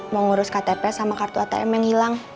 mau ngurus ktp sama kartu atm yang hilang